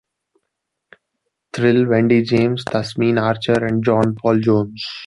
Thrill, Wendy James, Tasmin Archer and John Paul Jones.